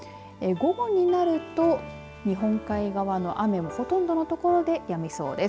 午後になると日本海側の雨はほとんどの所でやみそうです。